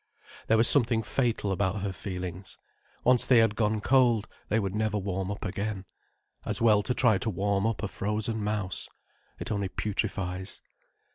There was something fatal about her feelings. Once they had gone cold, they would never warm up again. As well try to warm up a frozen mouse. It only putrifies.